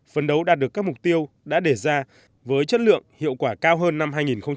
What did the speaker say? phân đấu đạt được các mục tiêu đã để ra với chất lượng hiệu quả cao hơn năm hai nghìn một mươi sáu